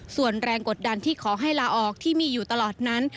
ส่วนแรงกดดันที่ขอให้ลาออกที่มีอยู่ตลอดนั้น